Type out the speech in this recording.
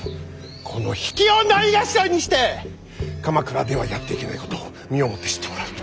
この比企をないがしろにして鎌倉ではやっていけないことを身をもって知ってもらう。